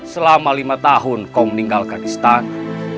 selama lima tahun kaum meninggalkan istana